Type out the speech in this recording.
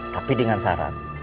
tapi dengan saran